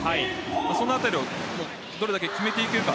そのあたりをどれだけ決めていけるか。